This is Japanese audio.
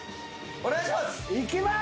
お願いします。